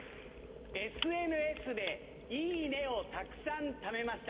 ＳＮＳで「いいね！」をたくさんためました。